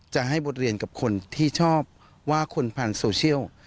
จะให้บทเรียนกับคนที่ชอบว่าคนผ่านโซเชียล